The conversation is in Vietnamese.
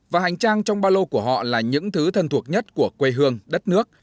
và hành trang trong ba lô của họ là những thứ thân thuộc nhất của quê hương đất nước